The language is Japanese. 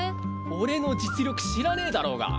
俺の実力知らねぇだろうが。